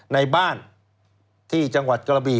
ในบ้านที่จังหวัดกระบี